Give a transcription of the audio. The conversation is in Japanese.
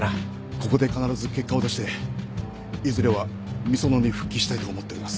ここで必ず結果を出していずれはみそのに復帰したいと思っております。